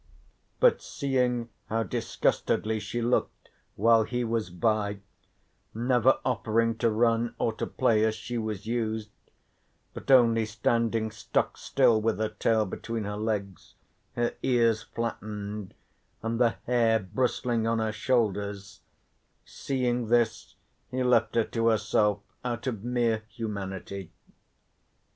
But seeing how disgustedly she looked while he was by, never offering to run or to play as she was used, but only standing stock still with her tail between her legs, her ears flattened, and the hair bristling on her shoulders, seeing this he left her to herself out of mere humanity.